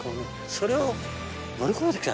それを。